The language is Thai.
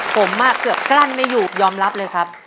ผมเกือบกลั้นไม่อยู่ยอมรับเลยครับ